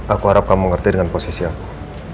aku harap kamu ngerti dengan posisi aku